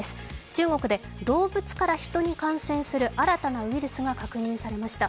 中国で動物からヒトに感染する新たなウイルスが確認されました。